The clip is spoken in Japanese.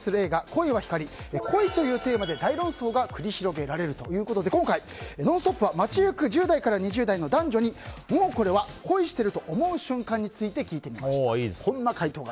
恋とはというテーマで大論争が繰り広げられるということで今回、「ノンストップ！」は街行く１０代から２０代の男女に、もうこれは恋してる！と思う瞬間について聞いてみました。